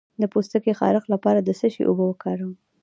د پوستکي خارښ لپاره د څه شي اوبه وکاروم؟